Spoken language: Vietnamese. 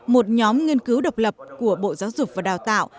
một nhóm nghiên cứu độc lập của bộ giáo dục và đào tạo